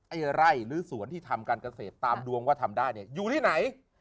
ไอ้ไร่หรือสวนที่ทำการเกษตรตามดวงว่าทำได้เนี่ยอยู่ที่ไหน